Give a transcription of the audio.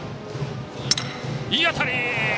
いい当たり！